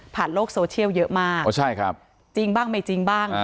ผ่านโลกโซเชียลเยอะมากจริงบ้างไม่จริงบ้าง